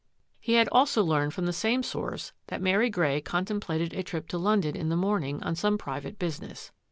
He had also learned from the same source that Mary Grey contemplated a trip to London in the morning on some private business.